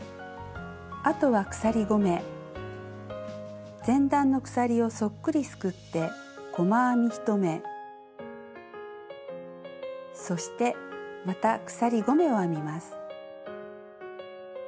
あとは鎖５目前段の鎖をそっくりすくって細編み１目そしてまた鎖５目を編みます。